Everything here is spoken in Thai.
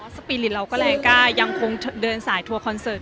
สปีริตเราก็เลยกล้ายังคงเดินสายทัวร์คอนเสิร์ต